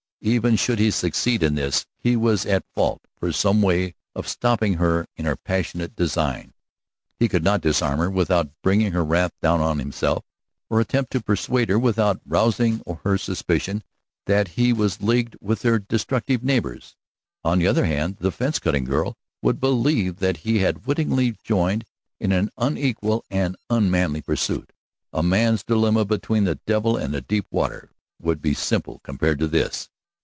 Even should he succeed in this, he was at fault for some way of stopping her in her passionate design. He could not disarm her without bringing her wrath down on himself, or attempt to persuade her without rousing her suspicion that he was leagued with her destructive neighbors. On the other hand, the fence cutting girl would believe that he had wittingly joined in an unequal and unmanly pursuit. A man's dilemma between the devil and the deep water would be simple compared to his.